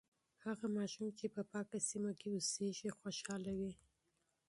هغه ماشوم چې په پاکه سیمه کې اوسیږي، خوشاله وي.